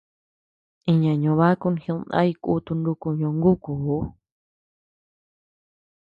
Iña ñobákun jidnay kuti nuku ñongukuu.